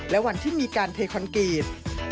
และวันที่มีการเทคอนกรีต